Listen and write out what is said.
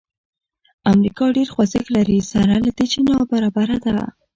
امریکا ډېر خوځښت لري سره له دې چې نابرابره ده.